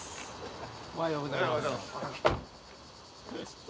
おはようございます。